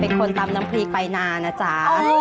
เป็นคนตำน้ำพริกไปนานนะจ๊ะ